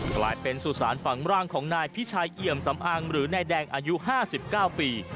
กลายเป็นสุสานฝังร่างของนายพิชัยเอี่ยมสำอางหรือนายแดงอายุ๕๙ปี